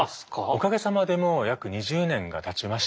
おかげさまでもう約２０年がたちましてですね